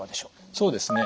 そうですね。